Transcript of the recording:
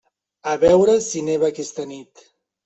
A veure si neva aquesta nit.